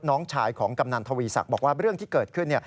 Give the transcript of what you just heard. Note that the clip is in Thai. น้องชายของกำนันทวีศักดิ์บอกว่าเรื่องที่เกิดขึ้น